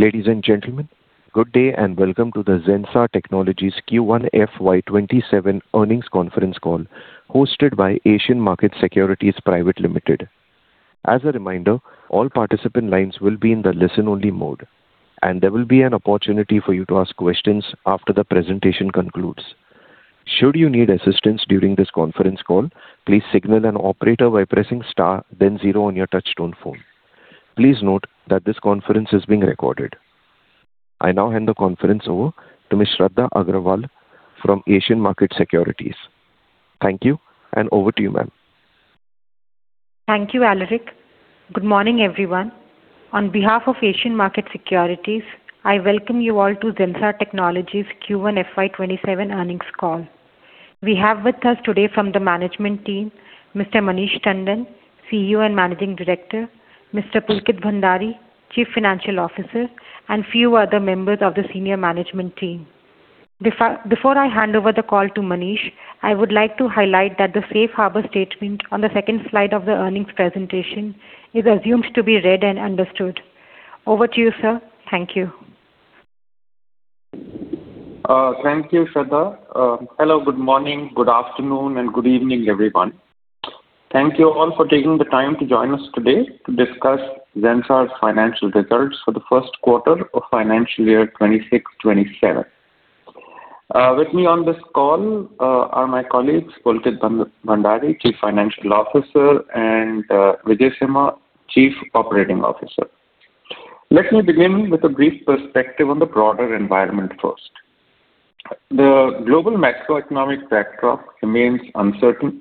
Ladies and gentlemen, good day and welcome to the Zensar Technologies Q1 fiscal year 2027 Earnings Conference call hosted by Asian Market Securities Private Limited. As a reminder, all participant lines will be in the listen-only mode, and there will be an opportunity for you to ask questions after the presentation concludes. Should you need assistance during this conference call, please signal an operator by pressing star then zero on your touch-tone phone. Please note that this conference is being recorded. I now hand the conference over to Ms. Shraddha Agarwal from Asian Market Securities. Thank you, and over to you, ma'am. Thank you, Alaric. Good morning, everyone. On behalf of Asian Market Securities, I welcome you all to Zensar Technologies Q1 fiscal year 2027 earnings call. We have with us today from the management team Mr. Manish Tandon, Chief Executive Officer and Managing Director, Mr. Pulkit Bhandari, Chief Financial Officer, and few other members of the senior management team. Before I hand over the call to Manish, I would like to highlight that the safe harbor statement on the second slide of the earnings presentation is assumed to be read and understood. Over to you, sir. Thank you. Thank you, Shraddha. Hello, good morning, good afternoon, and good evening, everyone. Thank you all for taking the time to join us today to discuss Zensar's financial results for the first quarter of financial year 2026/2027. With me on this call are my colleagues, Pulkit Bhandari, Chief Financial Officer, and Vijay Alilughatta, Chief Operating Officer. Let me begin with a brief perspective on the broader environment first. The global macroeconomic backdrop remains uncertain.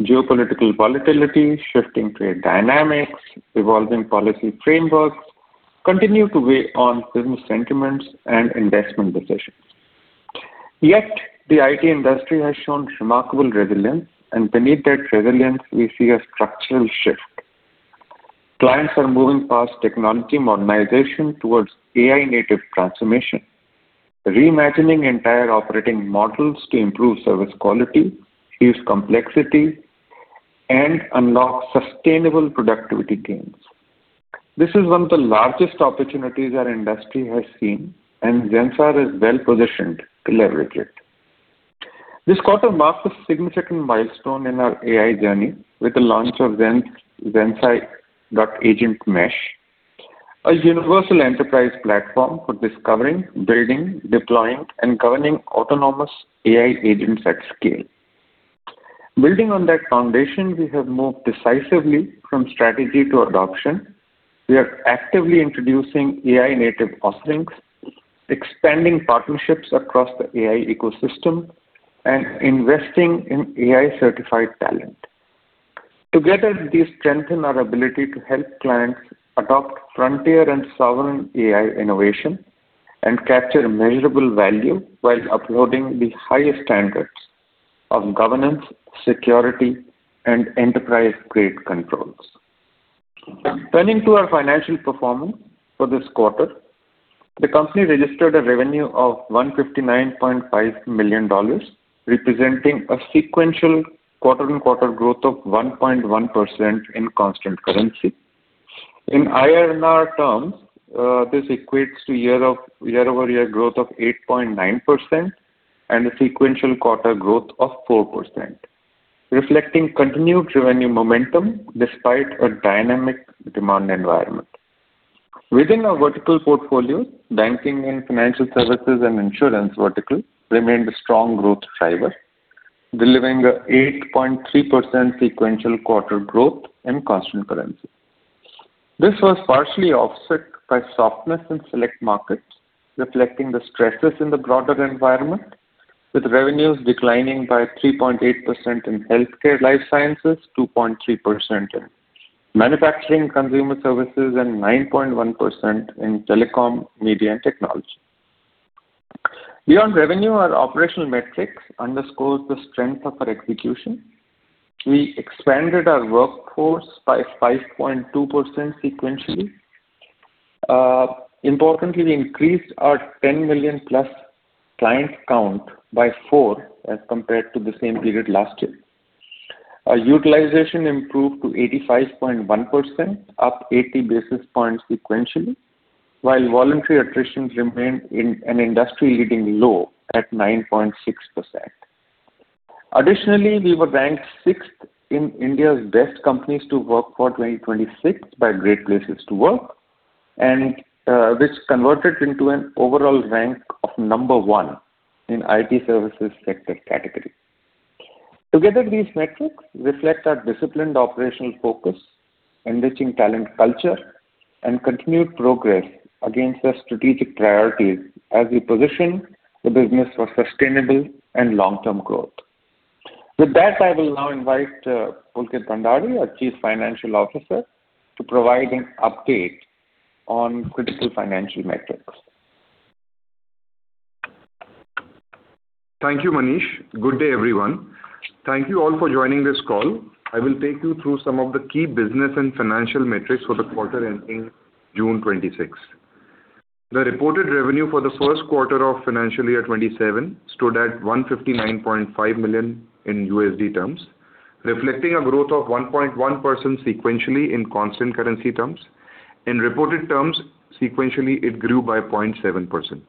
Geopolitical volatility, shifting trade dynamics, evolving policy frameworks continue to weigh on business sentiments and investment decisions. Yet, the IT industry has shown remarkable resilience, and beneath that resilience, we see a structural shift. Clients are moving past technology modernization towards AI-native transformation, reimagining entire operating models to improve service quality, ease complexity, and unlock sustainable productivity gains. This is one of the largest opportunities our industry has seen, and Zensar is well-positioned to leverage it. This quarter marks a significant milestone in our AI journey with the launch of ZenSai Agent Mesh, a universal enterprise platform for discovering, building, deploying, and governing autonomous AI agents at scale. Building on that foundation, we have moved decisively from strategy to adoption. We are actively introducing AI-native offerings, expanding partnerships across the AI ecosystem, and investing in AI-certified talent. Together, these strengthen our ability to help clients adopt frontier and sovereign AI innovation and capture measurable value while upholding the highest standards of governance, security, and enterprise-grade controls. Turning to our financial performance for this quarter. The company registered a revenue of $159.5 million, representing a sequential quarter-on-quarter growth of 1.1% in constant currency. In INR terms, this equates to year-over-year growth of 8.9% and a sequential quarter growth of 4%, reflecting continued revenue momentum despite a dynamic demand environment. Within our vertical portfolio, Banking and Financial Services and Insurance vertical remained a strong growth driver, delivering a 8.3% sequential quarter growth in constant currency. This was partially offset by softness in select markets, reflecting the stresses in the broader environment, with revenues declining by 3.8% in Healthcare Life Sciences, 2.3% in Manufacturing Consumer Services, and 9.1% in Telecom, Media, and Technology. Beyond revenue, our operational metrics underscores the strength of our execution. We expanded our workforce by 5.2% sequentially. Importantly, we increased our 10 million+ client count by four as compared to the same period last year. Our utilization improved to 85.1%, up 80 basis points sequentially, while voluntary attritions remained in an industry-leading low at 9.6%. We were ranked sixth in India's Best Companies to Work For 2026 by Great Place to Work, and this converted into an overall rank of number one in IT Services sector category. Together, these metrics reflect our disciplined operational focus, enriching talent culture, and continued progress against our strategic priorities as we position the business for sustainable and long-term growth. With that, I will now invite Pulkit Bhandari, our Chief Financial Officer, to provide an update on critical financial metrics. Thank you, Manish. Good day, everyone. Thank you all for joining this call. I will take you through some of the key business and financial metrics for the quarter ending June 2026. The reported revenue for the first quarter of financial year 2027 stood at $159.5 million. Reflecting a growth of 1.1% sequentially in constant currency terms. In reported terms, sequentially it grew by 0.7%.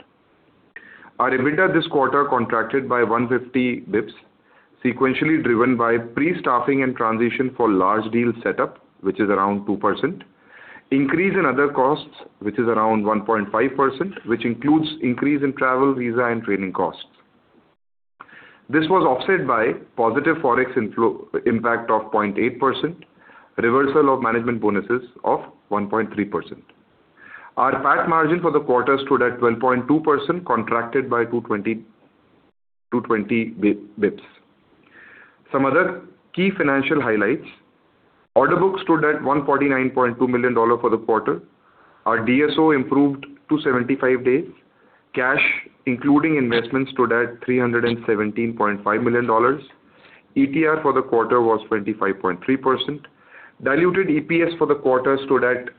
Our EBITDA this quarter contracted by 150 basis points, sequentially driven by pre-staffing and transition for large deal setup, which is around 2%. Increase in other costs, which is around 1.5%, which includes increase in travel, visa, and training costs. This was offset by positive forex impact of 0.8%, reversal of management bonuses of 1.3%. Our PAT margin for the quarter stood at 12.2%, contracted by 220 basis points. Some other key financial highlights. Order book stood at INR 149.2 million for the quarter. Our DSO improved to 75 days. Cash, including investments, stood at INR 317.5 million. ETR for the quarter was 25.3%. Diluted EPS for the quarter stood at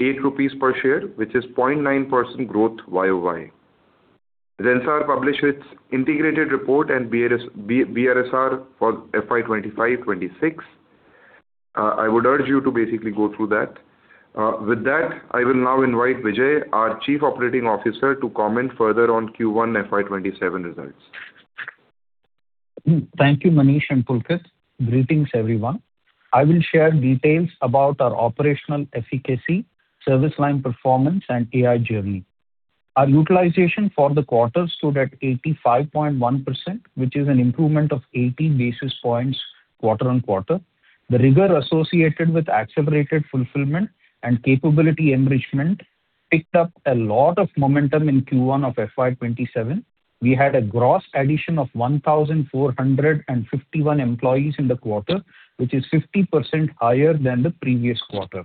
8 rupees per share, which is 0.9% growth year-on-year. Zensar published its integrated report and BRSR for fiscal year 2025/2026. I would urge you to basically go through that. With that, I will now invite Vijay, our Chief Operating Officer, to comment further on Q1 fiscal year 2027 results. Thank you, Manish and Pulkit. Greetings, everyone. I will share details about our operational efficacy, service line performance, and AI journey. Our utilization for the quarter stood at 85.1%, which is an improvement of 80 basis points quarter-on-quarter. The rigor associated with accelerated fulfillment and capability enrichment picked up a lot of momentum in Q1 of fiscal year 2027. We had a gross addition of 1,451 employees in the quarter, which is 50% higher than the previous quarter.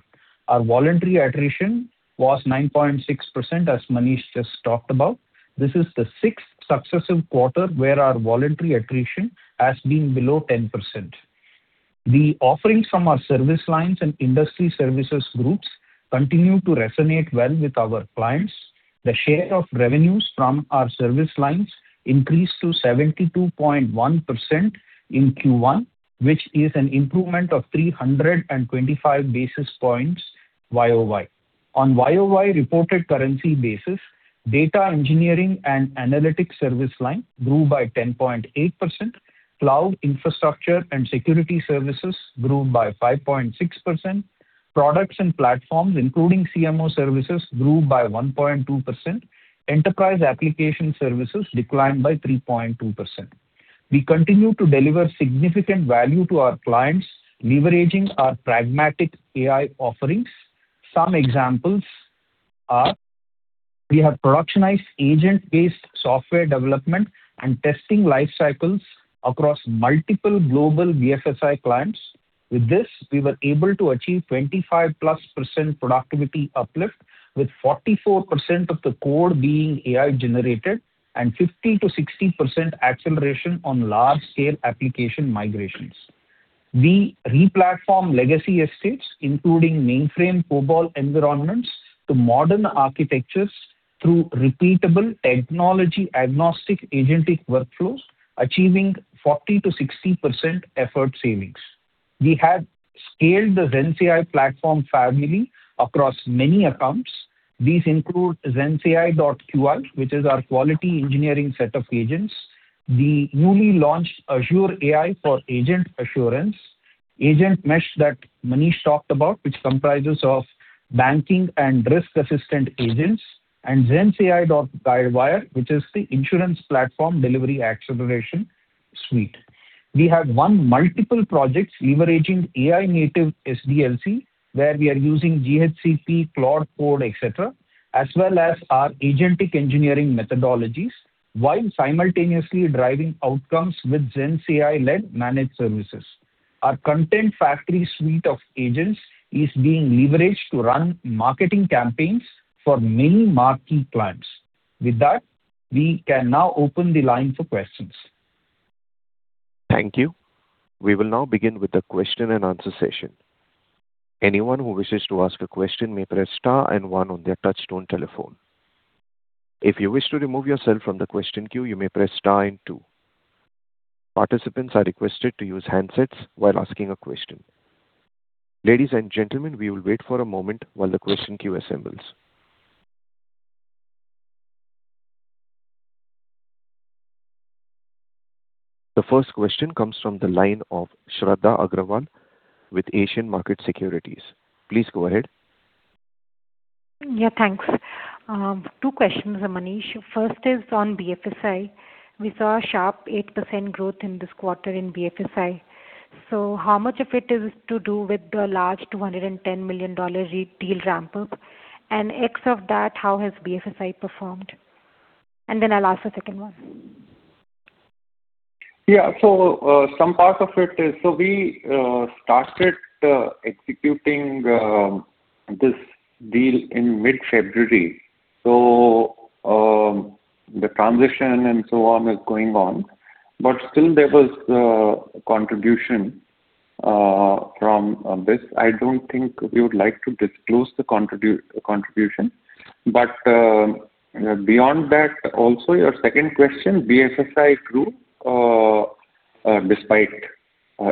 Our voluntary attrition was 9.6%, as Manish just talked about. This is the sixth successive quarter where our voluntary attrition has been below 10%. The offerings from our service lines and industry services groups continue to resonate well with our clients. The share of revenues from our service lines increased to 72.1% in Q1, which is an improvement of 325 basis points year-over-year. On year-over-year reported currency basis, data engineering and analytics service line grew by 10.8%. Cloud Infrastructure and Security services grew by 5.6%. Products and platforms, including CMO services, grew by 1.2%. Enterprise application services declined by 3.2%. We continue to deliver significant value to our clients, leveraging our pragmatic AI offerings. Some examples are we have productionized agent-based software development and testing life cycles across multiple global BFSI clients. With this, we were able to achieve 25%+ productivity uplift, with 44% of the code being AI generated and 50%-60% acceleration on large scale application migrations. We replatform legacy estates, including mainframe COBOL environments, to modern architectures through repeatable technology-agnostic agentic workflows, achieving 40%-60% effort savings. We have scaled the ZenCI platform family across many accounts. These include ZenCI.QA, which is our quality engineering set of agents. The newly launched Azure AI for Agent Assurance. AgentMesh that Manish talked about, which comprises of banking and risk assistant agents. ZenCI.Guidewire, which is the insurance platform delivery acceleration suite. We have won multiple projects leveraging AI native SDLC, where we are using GitHub Copilot, Claude code, et cetera, as well as our agentic engineering methodologies, while simultaneously driving outcomes with ZenCI-led managed services. Our content factory suite of agents is being leveraged to run marketing campaigns for many marquee clients. With that, we can now open the line for questions. Thank you. We will now begin with the question-and-answer session. Anyone who wishes to ask a question may press star and one on their touchtone telephone. If you wish to remove yourself from the question queue, you may press star and two. Participants are requested to use handsets while asking a question. Ladies and gentlemen, we will wait for a moment while the question queue assembles. The first question comes from the line of Shraddha Agarwal with Asian Market Securities. Please go ahead. Thanks. Two questions, Manish. First is on BFSI. We saw a sharp 8% growth in this quarter in BFSI. How much of it is to do with the large $210 million deal ramp-up? X of that, how has BFSI performed? Then I'll ask the second one. We started executing this deal in mid-February. The transition and so on is going on, still there was contribution from this. I don't think we would like to disclose the contribution. Beyond that also, your second question, BFSI grew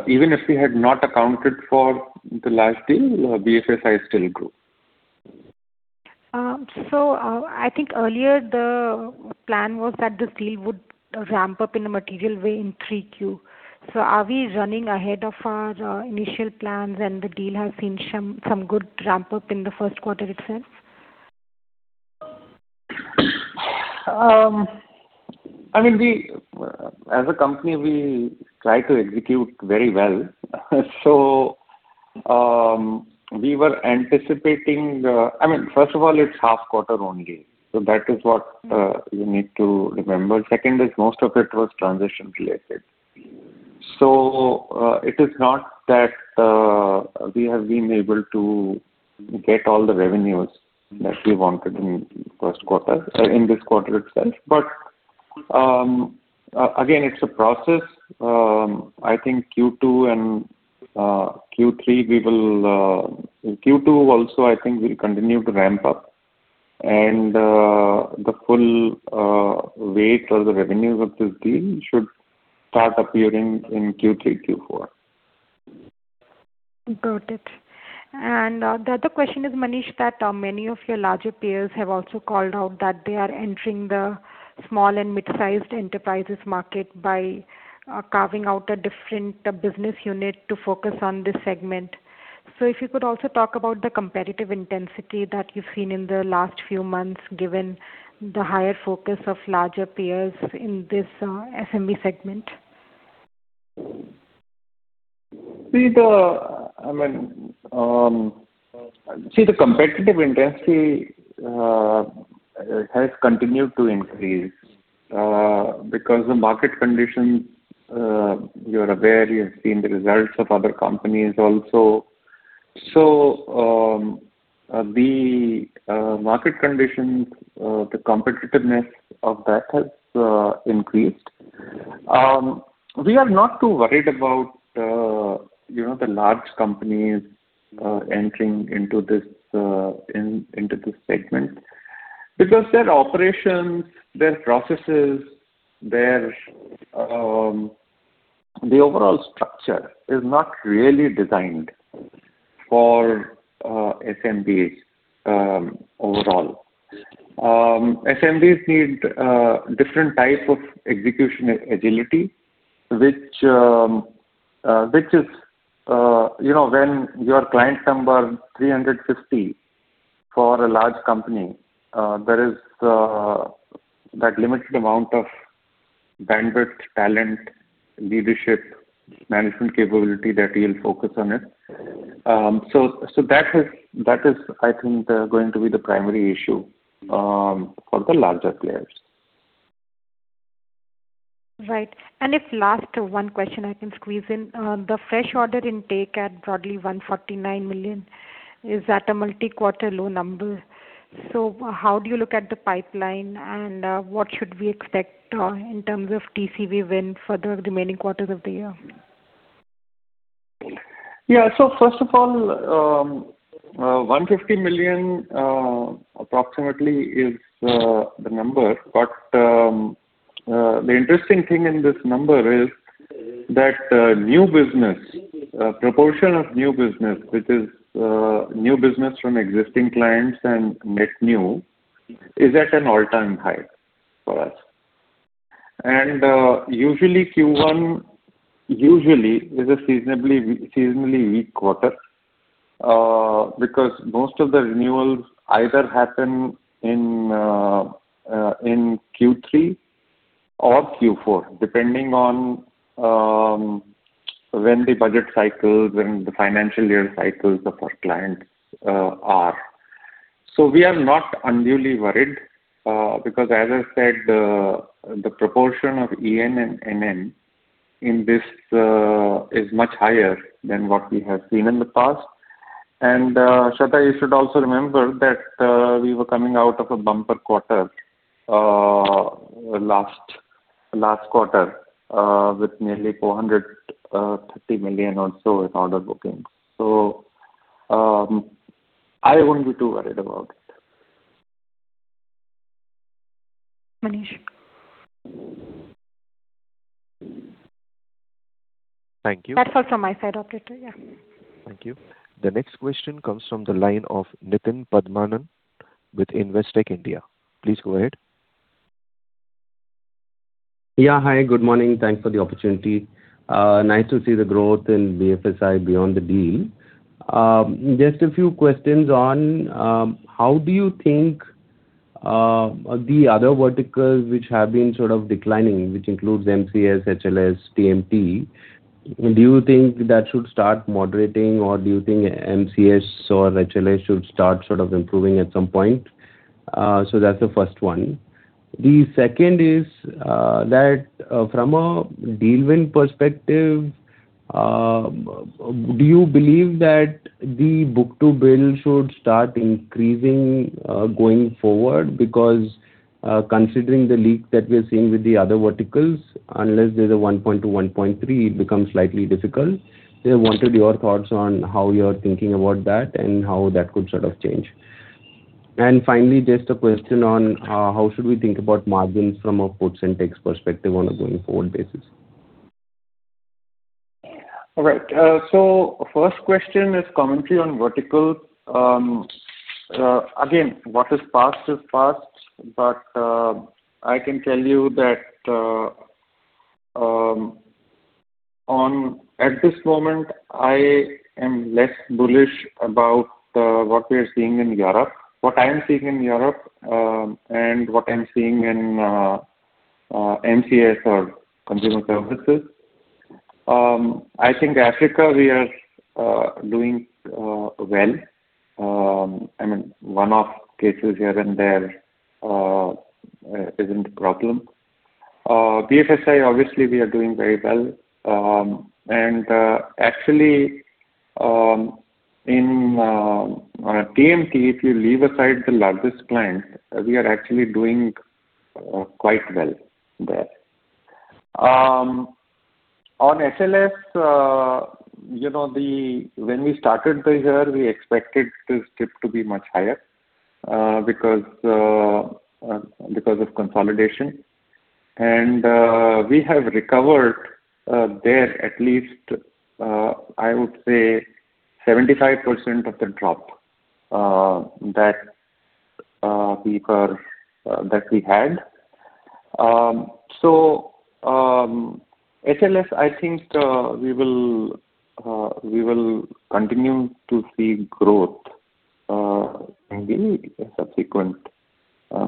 even if we had not accounted for the last deal, BFSI still grew. I think earlier the plan was that this deal would ramp up in a material way in 3Q. Are we running ahead of our initial plans and the deal has seen some good ramp-up in the first quarter itself? As a company, we try to execute very well. First of all, it's half quarter only. That is what you need to remember. Second is most of it was transition related. It is not that we have been able to get all the revenues that we wanted in this quarter itself. Again, it's a process. I think Q2 also will continue to ramp up, and the full weight or the revenues of this deal should start appearing in Q3, Q4. Got it. The other question is, Manish, that many of your larger peers have also called out that they are entering the small and mid-sized enterprises market by carving out a different business unit to focus on this segment. If you could also talk about the competitive intensity that you've seen in the last few months, given the higher focus of larger peers in this SMB segment. See, the competitive intensity has continued to increase because the market condition, you're aware, you've seen the results of other companies also. The market condition, the competitiveness of that has increased. We are not too worried about the large companies entering into this segment because their operations, their processes, their overall structure is not really designed for SMBs overall. SMBs need different type of execution agility. When your client number 350 for a large company, there is that limited amount of bandwidth, talent, leadership, management capability that you'll focus on it. That is, I think, going to be the primary issue for the larger players. Right. If last one question I can squeeze in. The fresh order intake at broadly 149 million, is that a multi-quarter low number? How do you look at the pipeline, and what should we expect in terms of TCV win for the remaining quarters of the year? First of all, 150 million approximately is the number. The interesting thing in this number is that proportion of new business, which is new business from existing clients and net new, is at an all-time high for us. Usually Q1 is a seasonally weak quarter because most of the renewals either happen in Q3 or Q4, depending on when the budget cycles and the financial year cycles of our clients are. We are not unduly worried because as I said, the proportion of EN and MN in this is much higher than what we have seen in the past. Shraddha, you should also remember that we were coming out of a bumper quarter, last quarter, with nearly 430 million or so in order bookings. I won't be too worried about it. Thank you. That's all from my side, operator. Thank you. The next question comes from the line of Nitin Padmanabhan with Investec India. Please go ahead. Hi. Good morning. Thanks for the opportunity. Nice to see the growth in BFSI beyond the deal. Just a few questions on how do you think the other verticals which have been sort of declining, which includes MCS, HLS, TMT, do you think that should start moderating, or do you think MCS or HLS should start sort of improving at some point? That's the first one. The second is that from a deal win perspective, do you believe that the book-to-bill should start increasing going forward? Considering the leak that we're seeing with the other verticals, unless there's a 1.2, 1.3, it becomes slightly difficult. Wanted your thoughts on how you're thinking about that and how that could sort of change. Finally, just a question on how should we think about margins from a post-tax perspective on a going forward basis. All right. First question is commentary on vertical. Again, what is past is past. I can tell you that at this moment, I am less bullish about what we are seeing in Europe. What I am seeing in Europe and what I'm seeing in MCS or consumer services. I think Africa, we are doing well. One-off cases here and there isn't a problem. BFSI, obviously, we are doing very well. Actually, in TMT, if you leave aside the largest client, we are actually doing quite well there. On HLS, when we started the year, we expected this dip to be much higher because of consolidation. We have recovered there at least, I would say, 75% of the drop that we had. HLS, I think we will continue to see growth in the subsequent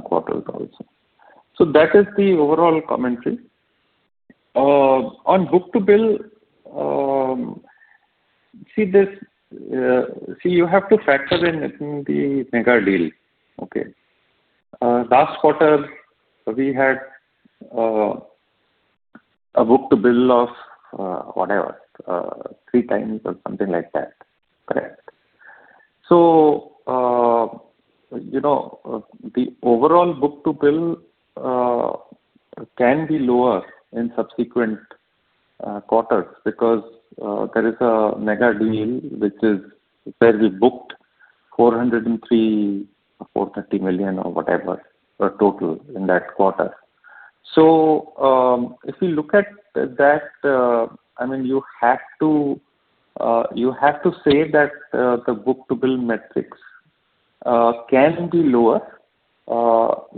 quarters also. That is the overall commentary. On book-to-bill, you have to factor in the mega deal. Okay? Last quarter, we had a book-to-bill of whatever, 3x or something like that. Correct. The overall book-to-bill can be lower in subsequent quarters because there is a mega deal where we booked 403 million or 430 million or whatever the total in that quarter. If you look at that, you have to say that the book-to-bill metrics can be lower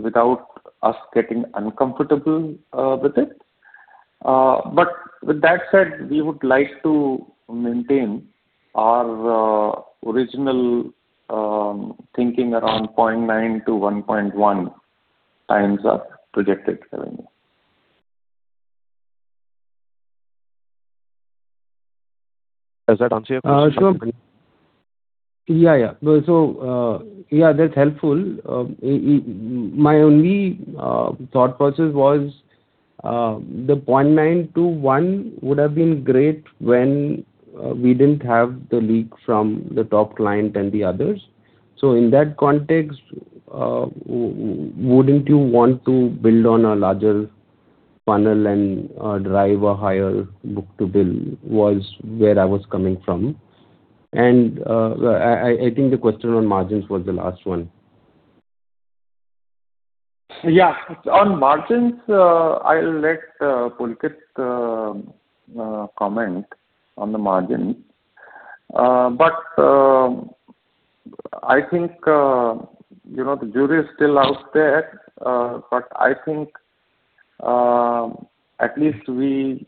without us getting uncomfortable with it. With that said, we would like to maintain our original thinking around 0.9x-1.1x our projected revenue. Does that answer your question? Sure. Yeah. That's helpful. My only thought process was the 0.9x-1.1x Would have been great when we didn't have the leak from the top client and the others. In that context, wouldn't you want to build on a larger funnel and drive a higher book-to-bill? Was where I was coming from. I think the question on margins was the last one. Yeah. On margins, I'll let Pulkit comment on the margin. I think the jury is still out there. I think at least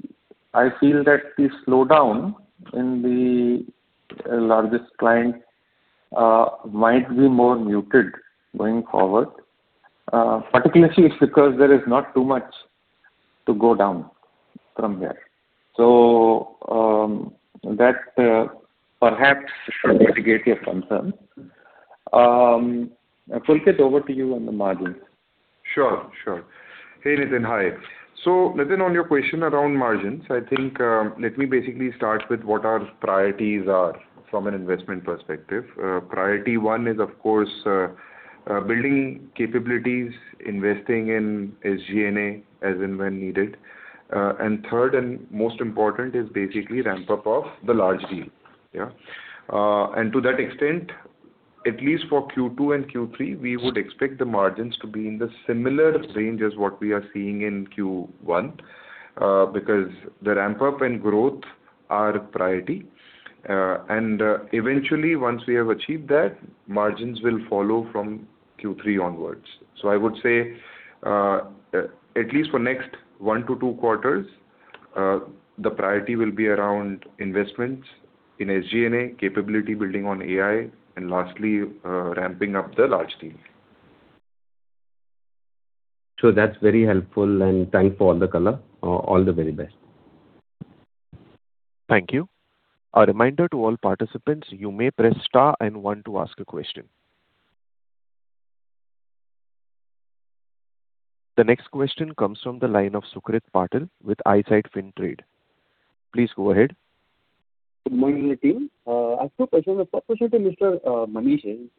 I feel that the slowdown in the largest client might be more muted going forward. Particularly it's because there is not too much to go down from there. That perhaps should mitigate your concern. Pulkit, over to you on the margin. Sure. Hey, Nitin. Hi. Nitin, on your question around margins, I think let me basically start with what our priorities are from an investment perspective. Priority one is, of course, building capabilities, investing in SG&A as and when needed. Third and most important is basically ramp up of the large deal. Yeah? To that extent, at least for Q2 and Q3, we would expect the margins to be in the similar range as what we are seeing in Q1 because the ramp up and growth are priority. Eventually, once we have achieved that, margins will follow from Q3 onwards. I would say, at least for next one to two quarters, the priority will be around investments in SG&A, capability building on AI, and lastly, ramping up the large deal. That's very helpful and thanks for all the color. All the very best. Thank you. A reminder to all participants, you may press star and one to ask a question. The next question comes from the line of Sukrit Patel with iSight Fintrade. Please go ahead. Good morning, team. I have two questions. The first one to Mr. Manish is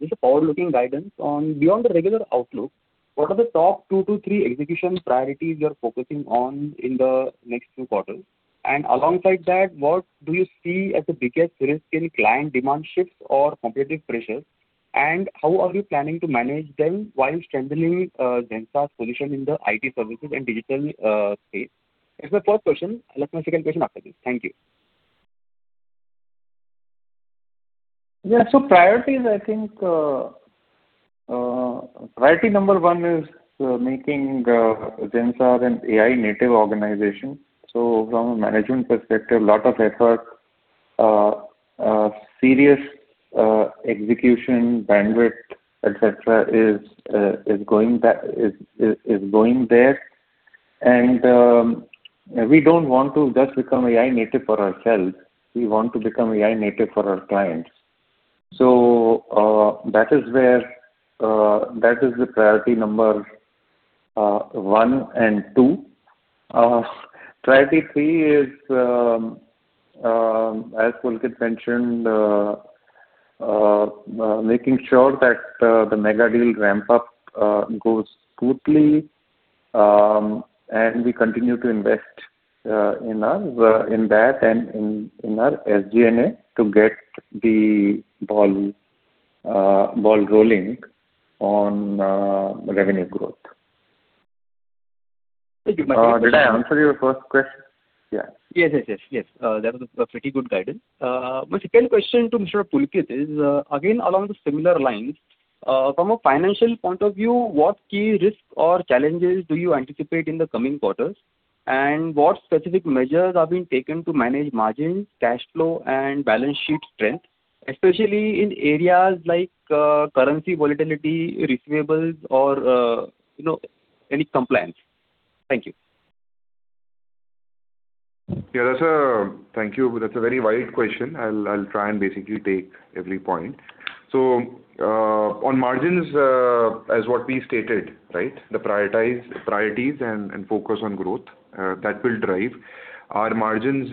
just a forward-looking guidance on beyond the regular outlook, what are the top two to three execution priorities you're focusing on in the next two quarters? Alongside that, what do you see as the biggest risk in client demand shifts or competitive pressures? How are you planning to manage them while strengthening Zensar's position in the IT services and digital space? That's my first question. I'll ask my second question after this. Thank you. Priorities, I think, priority number one is making Zensar an AI-native organization. From a management perspective, lot of effort, serious execution, bandwidth, et cetera, is going there. We don't want to just become AI-native for ourselves. We want to become AI-native for our clients. That is the priority number one and two. Priority three is, as Pulkit mentioned, making sure that the mega deal ramp-up goes smoothly, and we continue to invest in that and in our SG&A to get the ball rolling on revenue growth. Thank you. Did I answer your first question? Yeah. Yes. That was a pretty good guidance. My second question to Mr. Pulkit is, again, along the similar lines. From a financial point of view, what key risks or challenges do you anticipate in the coming quarters, and what specific measures are being taken to manage margins, cash flow, and balance sheet strength, especially in areas like currency volatility, receivables, or any compliance? Thank you. Yeah. Thank you. That's a very wide question. I'll try and basically take every point. On margins, as what we stated. The priorities and focus on growth, that will drive our margins,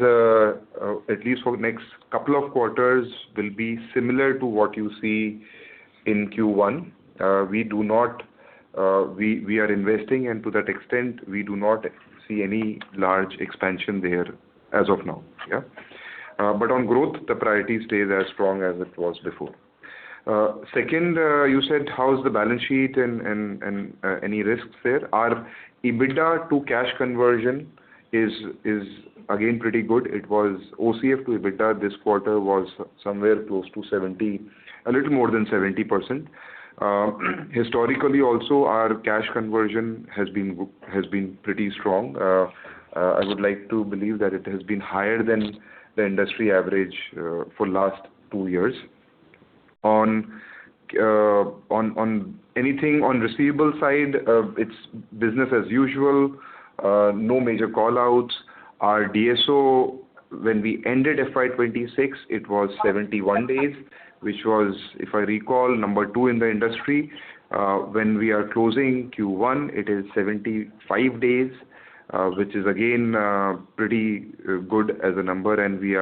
at least for next couple of quarters, will be similar to what you see in Q1. We are investing, and to that extent, we do not see any large expansion there as of now. On growth, the priority stays as strong as it was before. Second, you said, how is the balance sheet and any risks there? Our EBITDA to cash conversion is again, pretty good. OCF to EBITDA this quarter was somewhere close to a little more than 70%. Historically, also, our cash conversion has been pretty strong. I would like to believe that it has been higher than the industry average for last two years. On anything on receivable side, it's business as usual. No major call-outs. Our DSO, when we ended fiscal year 2026, it was 71 days, which was, if I recall, number two in the industry. When we are closing Q1, it is 75 days, which is again pretty good as a number, and we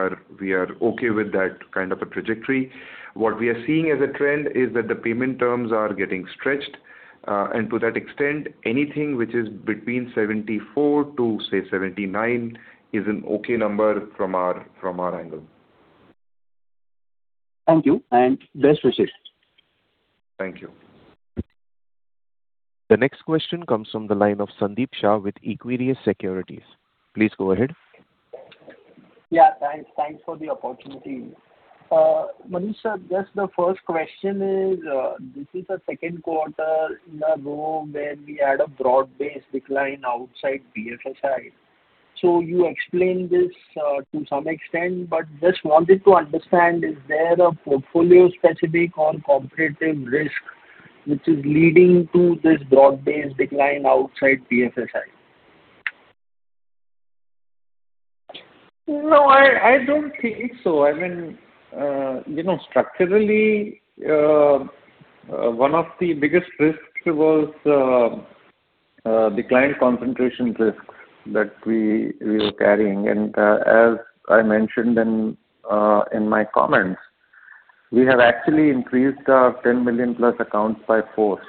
are okay with that kind of a trajectory. What we are seeing as a trend is that the payment terms are getting stretched, and to that extent, anything which is between 74 days to, say, 79 days is an okay number from our angle. Thank you, and best wishes. Thank you. The next question comes from the line of Sandeep Shah with Equirus Securities. Please go ahead. Yeah, thanks for the opportunity. Manish sir, just the first question is, this is the second quarter in a row where we had a broad-based decline outside BFSI. You explained this to some extent, but just wanted to understand, is there a portfolio-specific or competitive risk which is leading to this broad-based decline outside BFSI? No, I don't think so. Structurally, one of the biggest risks was the client concentration risks that we were carrying. As I mentioned in my comments, we have actually increased our 10 million-plus accounts by four.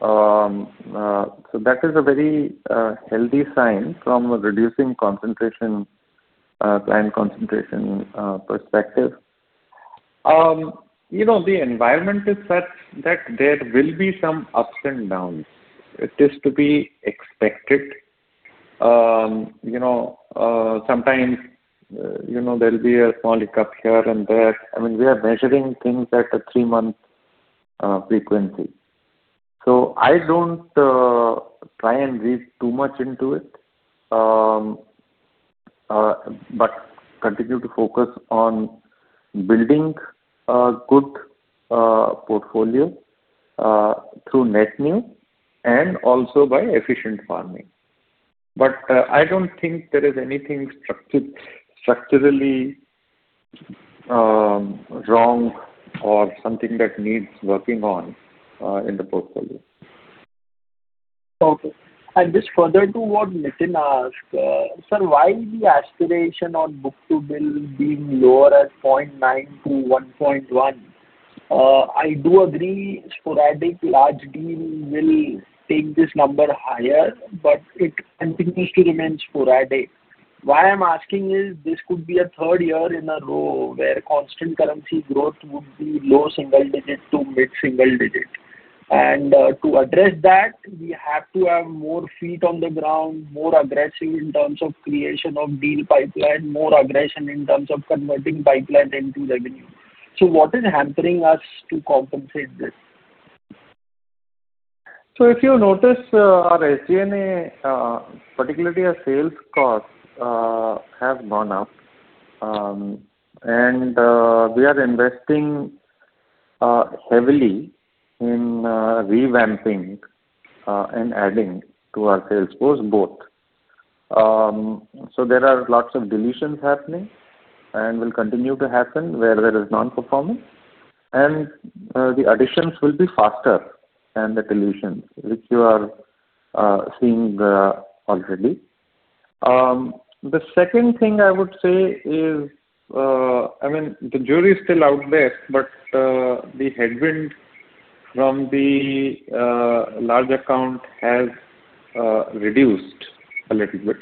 That is a very healthy sign from a reducing client concentration perspective. The environment is such that there will be some ups and downs. It is to be expected. Sometimes there'll be a small hiccup here and there. We are measuring things at a three-month frequency. I don't try and read too much into it, but continue to focus on building a good portfolio through net new and also by efficient farming. I don't think there is anything structurally wrong or something that needs working on in the portfolio. Okay. Just further to what Nitin asked. Sir, why is the aspiration on book-to-bill being lower at 0.9x-1.1x? I do agree sporadic large deal will take this number higher, but it continues to remain sporadic. Why I'm asking is this could be a third year in a row where constant currency growth would be low single-digit to mid-single-digit. To address that, we have to have more feet on the ground, more aggressive in terms of creation of deal pipeline, more aggression in terms of converting pipeline into revenue. What is hampering us to compensate this? If you notice our SG&A, particularly our sales cost, have gone up. We are investing heavily in revamping and adding to our sales force, both. There are lots of deletions happening and will continue to happen where there is non-performance. The additions will be faster than the deletions, which you are seeing already. The second thing I would say is, the jury is still out there, but the headwind from the large account has reduced a little bit.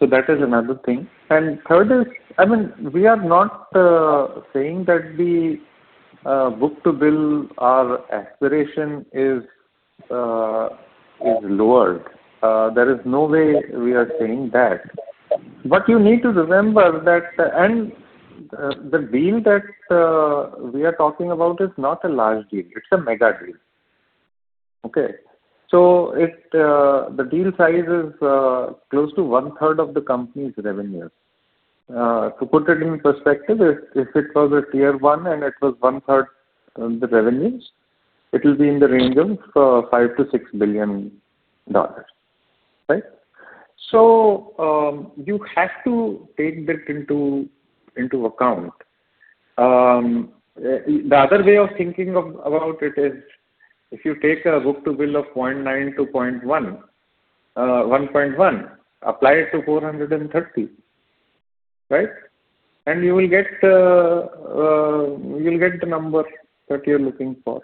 That is another thing. Third is, we are not saying that the book-to-bill, our aspiration is lowered. There is no way we are saying that. What you need to remember and the deal that we are talking about is not a large deal, it's a mega deal. Okay? The deal size is close to 1/3 of the company's revenue. To put it in perspective, if it was a Tier 1 and it was 1/3 the revenues, it will be in the range of $5 billion-$6 billion. Right? You have to take that into account. The other way of thinking about it is if you take a book-to-bill of 0.9x-1.1x, apply it to 430, and you will get the number that you're looking for.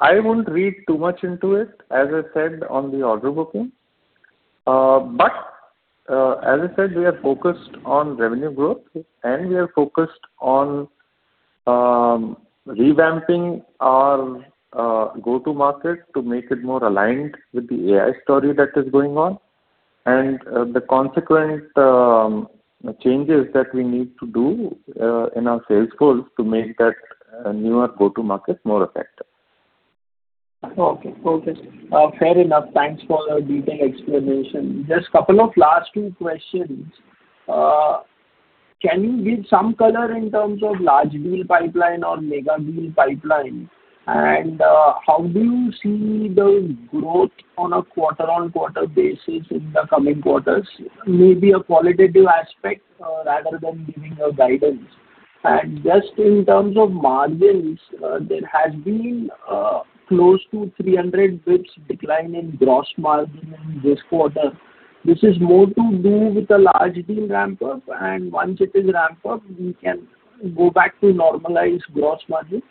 I won't read too much into it, as I said on the order booking. As I said, we are focused on revenue growth and we are focused on revamping our go-to market to make it more aligned with the AI story that is going on and the consequent changes that we need to do in our sales force to make that newer go-to market more effective. Okay. Fair enough. Thanks for the detailed explanation. Just couple of last two questions. Can you give some color in terms of large deal pipeline or mega deal pipeline, and how do you see the growth on a quarter-on-quarter basis in the coming quarters? Maybe a qualitative aspect rather than giving a guidance. Just in terms of margins, there has been close to 300 basis points decline in gross margin in this quarter. This is more to do with the large deal ramp up, and once it is ramped up, we can go back to normalized gross margin?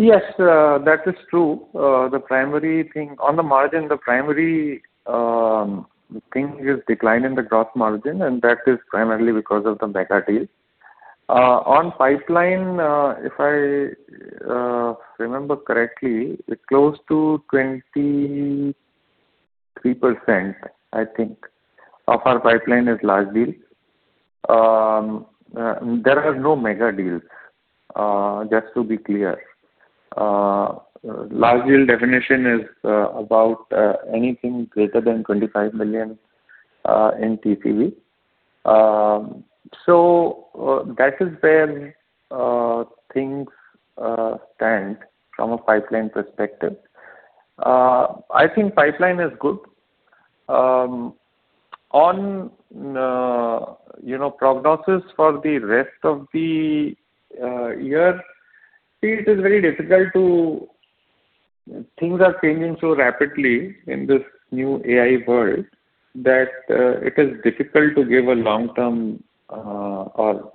Yes, that is true. On the margin, the primary thing is decline in the gross margin, and that is primarily because of the mega deal. On pipeline, if I remember correctly, it's close to 23%, I think, of our pipeline is large deal. There are no mega deals, just to be clear. Large deal definition is about anything greater than $25 million in TCV. That is where things stand from a pipeline perspective. I think pipeline is good. On prognosis for the rest of the year, see, things are changing so rapidly in this new AI world that it is difficult to give a long term or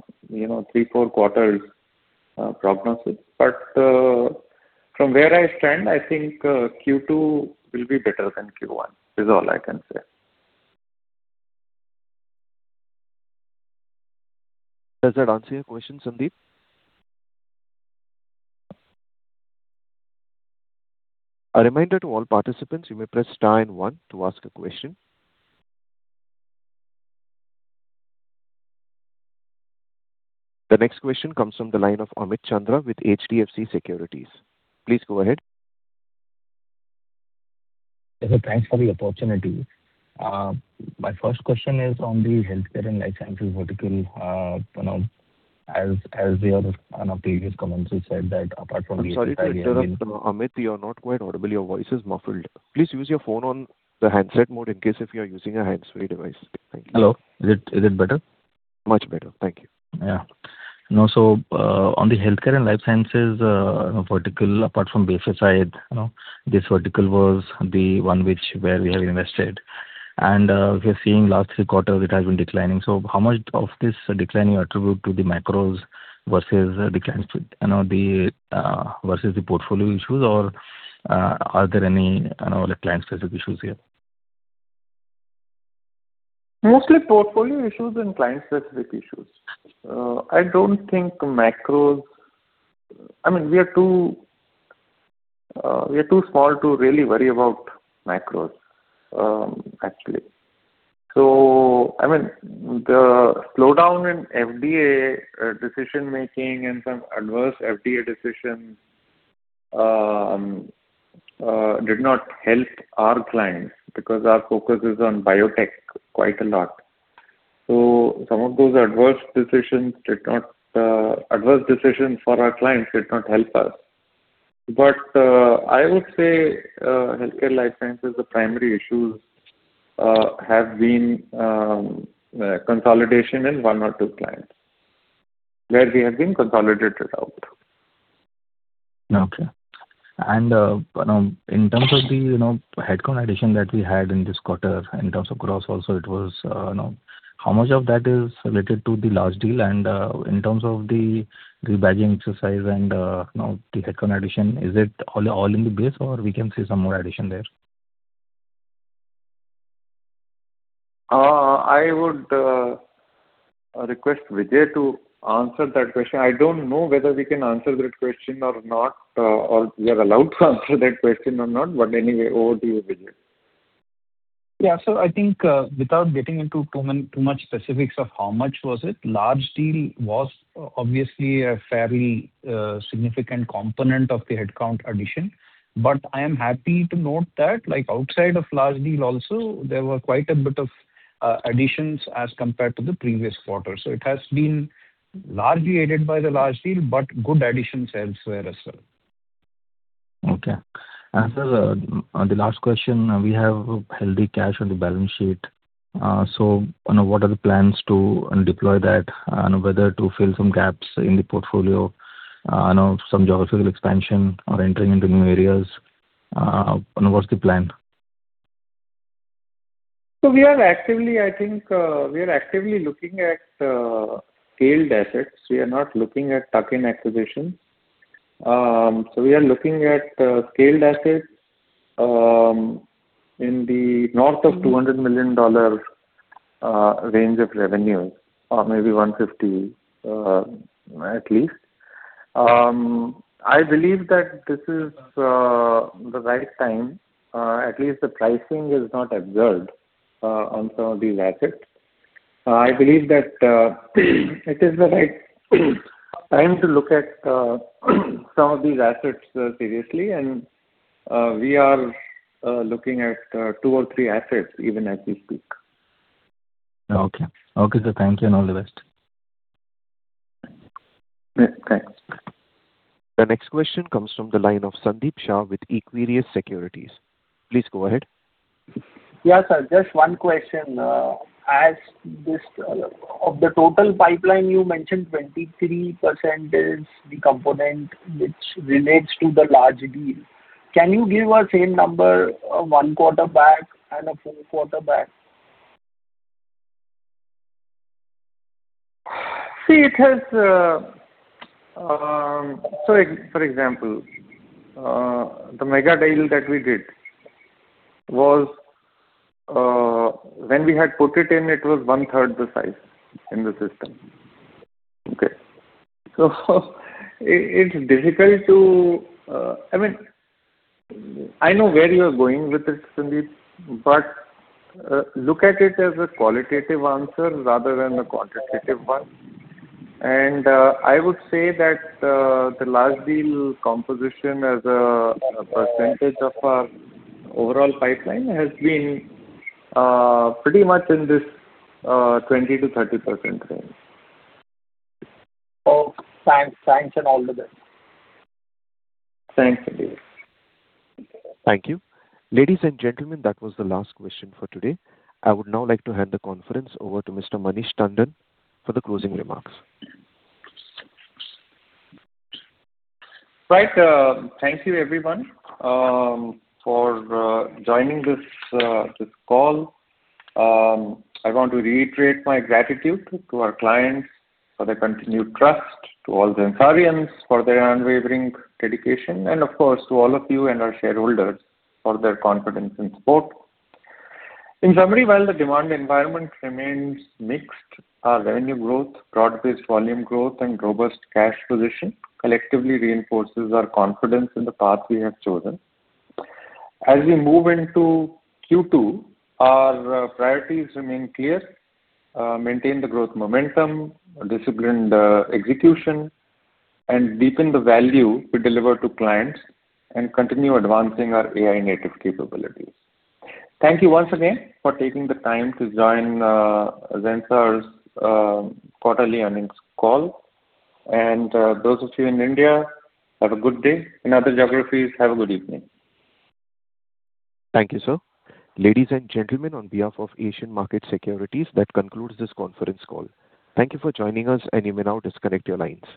three quarters, four quarters prognosis. From where I stand, I think Q2 will be better than Q1. Is all I can say. Does that answer your question, Sandeep? A reminder to all participants, you may press star and one to ask a question. The next question comes from the line of Amit Chandra with HDFC Securities. Please go ahead. Yes, sir. Thanks for the opportunity. My first question is on the Healthcare and Life Sciences vertical. As one of the previous commentators said that apart from I'm sorry to interrupt, Amit, you're not quite audible. Your voice is muffled. Please use your phone on the handset mode in case if you're using a hands-free device. Thank you. Hello. Is it better? Much better. Thank you. On the Healthcare and Life Sciences vertical, apart from BFSI, this vertical was the one where we have invested. We are seeing last three quarters it has been declining. How much of this decline you attribute to the macros versus the portfolio issues, or are there any client-specific issues here? Mostly portfolio issues and client-specific issues. I don't think macros. We are too small to really worry about macros, actually. The slowdown in FDA decision-making and some adverse FDA decisions did not help our clients because our focus is on biotech quite a lot. Some of those adverse decisions for our clients did not help us. But I would say Healthcare and Life Sciences' primary issues have been consolidation in one or two clients, where we have been consolidated out. Okay. In terms of the headcount addition that we had in this quarter, in terms of growth also, how much of that is related to the large deal, and in terms of the rebadging exercise and the headcount addition, is it all in the base, or we can see some more addition there? I would request Vijay to answer that question. I don't know whether we can answer that question or not, or we are allowed to answer that question or not. Anyway, over to you, Vijay. Yeah. I think, without getting into too much specifics of how much was it, large deal was obviously a fairly significant component of the headcount addition. I am happy to note that outside of large deal also, there were quite a bit of additions as compared to the previous quarter. It has been largely aided by the large deal, but good additions elsewhere as well. Okay. Sir, the last question. We have healthy cash on the balance sheet. What are the plans to deploy that, and whether to fill some gaps in the portfolio, some geographical expansion or entering into new areas? What's the plan? We are actively looking at scaled assets. We are not looking at tuck-in acquisitions. We are looking at scaled assets in the north of $200 million range of revenue, or maybe 150, at least. I believe that this is the right time. At least the pricing is not absurd on some of these assets. I believe that it is the right time to look at some of these assets seriously, and we are looking at two or three assets even as we speak. Okay. Okay, sir. Thank you, and all the best. Yeah, thanks. The next question comes from the line of Sandeep Shah with Equirus Securities. Please go ahead. Yeah, sir, just one question. Of the total pipeline, you mentioned 23% is the component which relates to the large deal. Can you give us same number one quarter back and a full quarter back? For example, the mega deal that we did, when we had put it in, it was 1/3 the size in the system. Okay. It's difficult to I know where you are going with it, Sandeep, but look at it as a qualitative answer rather than a quantitative one. I would say that the large deal composition as a percentage of our overall pipeline has been pretty much in this 20%-30% range. Okay. Thanks, and all the best. Thanks, Sandeep. Thank you. Ladies and gentlemen, that was the last question for today. I would now like to hand the conference over to Mr. Manish Tandon for the closing remarks. Right. Thank you, everyone, for joining this call. I want to reiterate my gratitude to our clients for their continued trust, to all Zensarians for their unwavering dedication, and of course, to all of you and our shareholders for their confidence and support. In summary, while the demand environment remains mixed, our revenue growth, broad-based volume growth, and robust cash position collectively reinforces our confidence in the path we have chosen. As we move into Q2, our priorities remain clear: maintain the growth momentum, disciplined execution, and deepen the value we deliver to clients and continue advancing our AI-native capabilities. Thank you once again for taking the time to join Zensar's quarterly earnings call. Those of you in India, have a good day. In other geographies, have a good evening. Thank you, sir. Ladies and gentlemen, on behalf of Asian Market Securities, that concludes this conference call. Thank you for joining us, and you may now disconnect your lines.